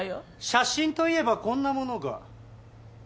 写真といえばこんなものが。